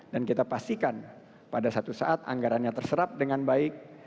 dan kita pastikan pada satu saat anggarannya terserap dengan baik